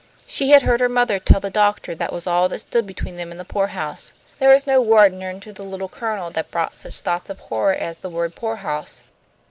She had heard her mother tell the doctor that was all that stood between them and the poorhouse. There was no word known to the Little Colonel that brought such, thoughts of horror as the word poorhouse.